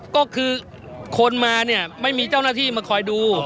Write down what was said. ก็คือคนมาเนี่ยไม่มีเจ้าหน้าที่มาคอยดู